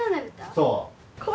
そう。